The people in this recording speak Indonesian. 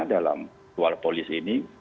dalam virtual polis ini